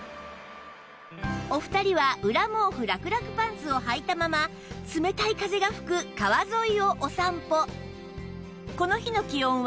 お二人は裏毛布らくらくパンツをはいたまま冷たい風が吹く川沿いをお散歩